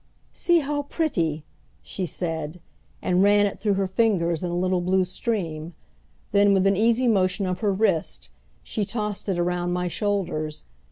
"See how pretty!" she said, and ran it through her fingers in a little blue stream; then, with an easy motion of her wrist, she tossed it around my shoulders.